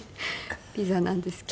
ピザなんですけど。